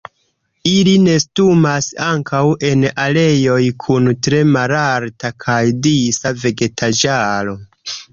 Ili nestumas ankaŭ en areoj kun tre malalta kaj disa vegetaĵaro.